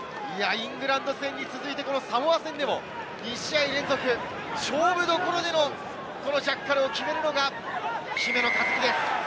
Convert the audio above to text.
イングランド戦に続いてサモア戦でも２試合連続、勝負どころでのこのジャッカルを決めるのが姫野和樹です。